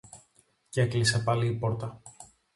Κι έκλεισε πάλι η πόρτα